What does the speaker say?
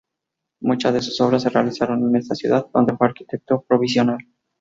Muchas de sus obras se realizaron en esta ciudad, donde fue arquitecto provincial.